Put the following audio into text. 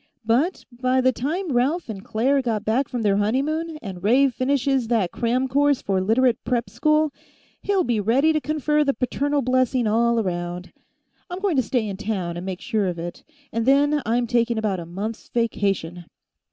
But by the time Ralph and Claire get back from their honeymoon and Ray finishes that cram course for Literate prep school, he'll be ready to confer the paternal blessing all around. I'm going to stay in town and make sure of it, and then I'm taking about a month's vacation."